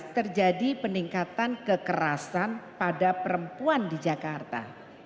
terjadi peningkatan kekerasan pada perempuan di jakarta